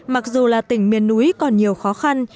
mặc dù là tỉnh miền núi còn nhiều khó khăn